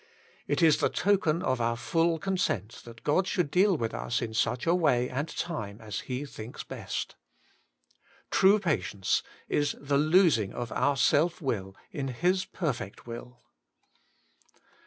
It is the token of our full consent that God should deal with us in such a way and time as He thinks best. True patience is the losin^j of our self will in His perfect will.